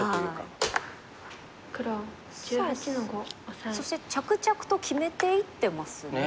さあそして着々と決めていってますね。